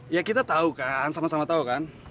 ya kita tahu kan sama sama tahu kan